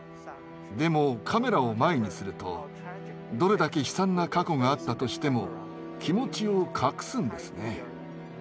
でもカメラを前にするとどれだけ悲惨な過去があったとしても気持ちを隠すんですね。